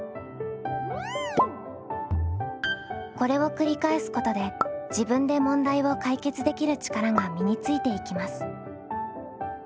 これを繰り返すことで自分で問題を解決できる力が身についていきます。